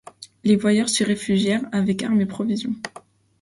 Les voyageurs s’y réfugièrent avec armes et provisions.